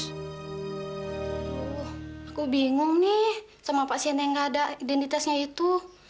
aku bingung nih sama pasien yang gak ada identitasnya itu